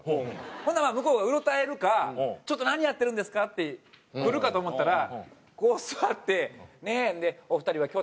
ほんなら向こうがうろたえるか「ちょっと何やってるんですか」ってくるかと思ったらこう座って「ねえお二人は京都出身なんですって？」。